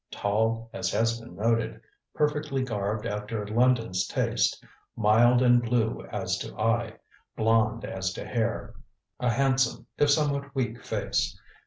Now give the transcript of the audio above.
Tall, as has been noted, perfectly garbed after London's taste, mild and blue as to eye, blond as to hair. A handsome, if somewhat weak face.